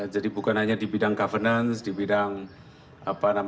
jadi bukan hanya di bidang governance di bidang apa namanya